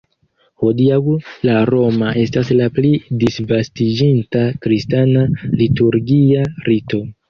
Hodiaŭ la roma estas la pli disvastiĝinta kristana liturgia rito.